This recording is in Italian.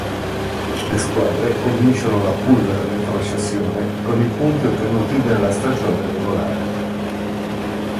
Le squadre cominciano la Poule retrocessione con i punti ottenuti nella stagione regolare.